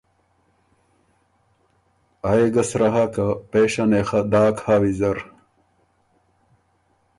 آ يې ګه سرۀ هۀ که پېشه نې خه داک هۀ ویزر۔